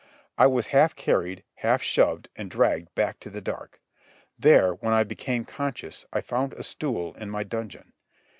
I was half carried, half shoved and dragged back to the dark. There, when I became conscious, I found a stool in my dungeon.